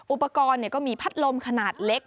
อุปกรณ์ก็มีพัดลมขนาดเล็ก